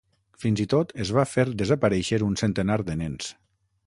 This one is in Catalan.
Fins i tot, es va fer desaparèixer un centenar de nens.